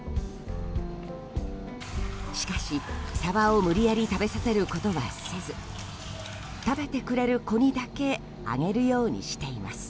しかし、サバを無理やり食べさせることはせず食べてくれる子にだけあげるようにしています。